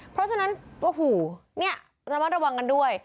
เพราะฉะนั้นโอ้โหเนี่ยระมัดระวังกันด้วย